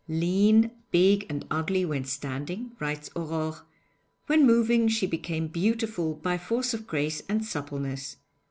'Lean, big and ugly when standing,' writes Aurore, 'when moving she became beautiful by force of grace and suppleness.